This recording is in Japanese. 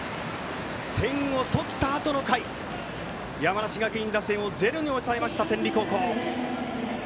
点を取ったあとの回山梨学院打線をゼロに抑えました天理高校。